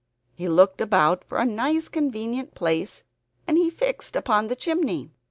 He looked about for a nice convenient place, and he fixed upon the chimney.